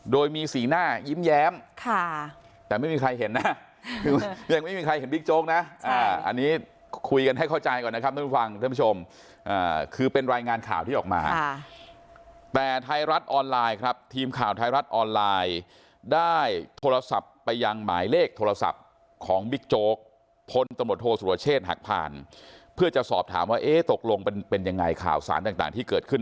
โดยมีสีหน้ายิ้มแย้มค่ะแต่ไม่มีใครเห็นนะยังไม่มีใครเห็นบิ๊กโจ๊กนะอันนี้คุยกันให้เข้าใจก่อนนะครับท่านผู้ฟังท่านผู้ชมคือเป็นรายงานข่าวที่ออกมาแต่ไทยรัฐออนไลน์ครับทีมข่าวไทยรัฐออนไลน์ได้โทรศัพท์ไปยังหมายเลขโทรศัพท์ของบิ๊กโจ๊กพลตำรวจโทษสุรเชษฐ์หักผ่านเพื่อจะสอบถามว่าเอ๊ะตกลงเป็นยังไงข่าวสารต่างที่เกิดขึ้น